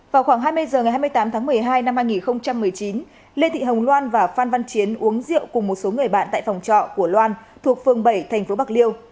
vào khoảng hai mươi h ngày hai mươi tám tháng một mươi hai năm hai nghìn một mươi chín lê thị hồng loan và phan văn chiến uống rượu cùng một số người bạn tại phòng trọ của loan thuộc phường bảy thành phố bạc liêu